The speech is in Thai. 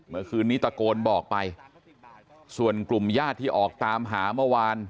เมื่อคืนนี้ตะโกนบอกไปส่วนกลุ่มญาติที่ออกตามหาเมื่อวาน